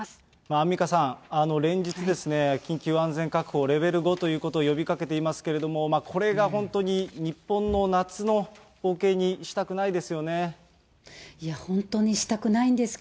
アンミカさん、連日ですね、緊急安全確保レベル５ということを呼びかけていますけれども、これが本当に日本の夏の光景にしたくないですよね。